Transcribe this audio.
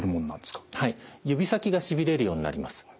指先がしびれるようになります。